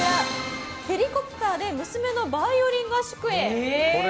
ヘリコプターで娘のバイオリン合宿へ。